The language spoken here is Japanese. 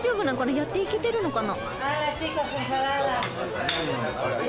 やっていけてるのかな？